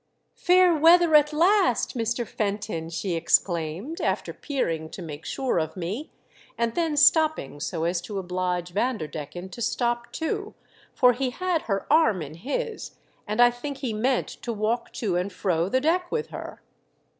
Fair weather at last, Mr. Fenton !" she 204 THE DEATH SHIP. exclaimed, after peering to make sure of me, and then stopping so as to oblige Vander decken to stop too, for he had her arm in his, and I think he meant to walk to and fro the deck with her.